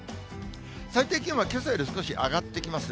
最低気温はけさより少し上がってきますね。